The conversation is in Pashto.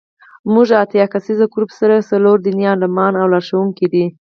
زموږ اتیا کسیز ګروپ سره څلور دیني عالمان او لارښوونکي دي.